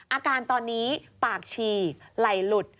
อาการตอนนี้ปากฉี่ไหลหลุด